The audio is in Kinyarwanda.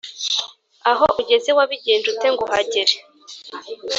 aho ugeze wabigenje ute nguhagere